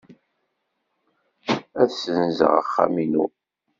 Ad ssenzeɣ axxam-inu.